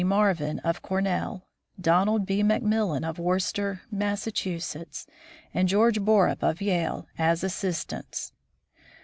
Marvin of Cor nell, Donald B. McMillan of Worcester, Mass., and George Borup of Yale, as assistants.